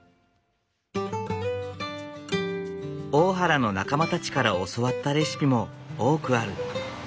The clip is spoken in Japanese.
大原の仲間たちから教わったレシピも多くある。